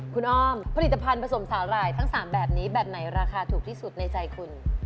คุณอ้อมผลิตภัณฑ์ผสมสาหร่ายทั้ง๓แบบนี้แบบไหนราคาถูกที่สุดในใจคุณ